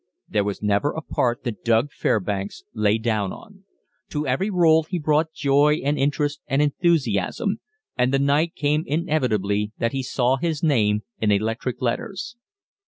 There was never a part that "Doug" Fairbanks lay down on. To every role he brought joy and interest and enthusiasm, and the night came inevitably that saw his name in electric letters.